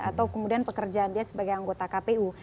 atau kemudian pekerjaan dia sebagai anggota kpu